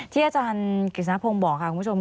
ที่อาจารย์กิจสนพงศ์บอกค่ะคุณผู้ชม